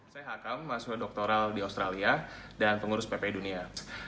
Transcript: saya hakam mahasiswa doktoral di australia dan pengurus pp dunia